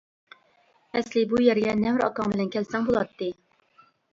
— ئەسلى بۇ يەرگە نەۋرە ئاكاڭ بىلەن كەلسەڭ بولاتتى.